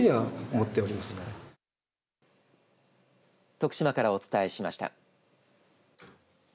徳島からお伝えしました。